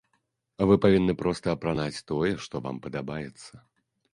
Вы павінны проста апранаць тое, што вам падабаецца.